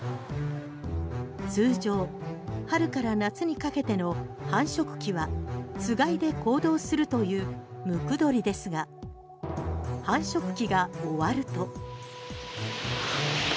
通常、春から夏にかけての繁殖期はつがいで行動するというムクドリですが繁殖期が終わると。